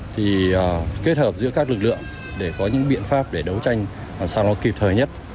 thì kết hợp giữa các lực lượng để có những biện pháp để đấu tranh làm sao nó kịp thời nhất